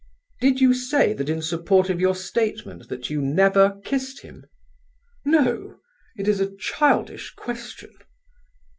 "Did you say that in support of your statement that you never kissed him?" "No. It is a childish question."